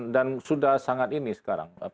dan sudah sangat ini sekarang